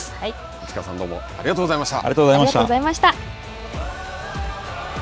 内川さん、ありがとうございました。